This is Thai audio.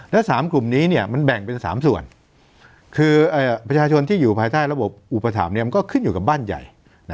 และ๓กลุ่มนี้มันแบ่งเป็น๓ส่วนคือประชาชนที่อยู่ภายใต้ระบบอุปถัมภ์มันก็ขึ้นอยู่กับบ้านใหญ่